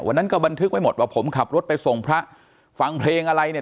วันนั้นก็บันทึกไว้หมดว่าผมขับรถไปส่งพระฟังเพลงอะไรเนี่ย